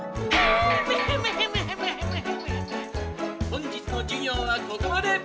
本日の授業はここまで！